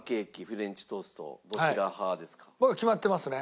僕は決まってますね。